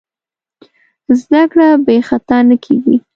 زدهکړه بېخطا نه کېږي.